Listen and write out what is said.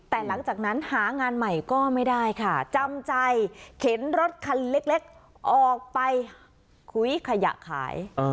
แต่หลังจากนั้นหางานใหม่ก็ไม่ได้ค่ะจำใจเข็นรถคันเล็กออกไปคุยขยะขาย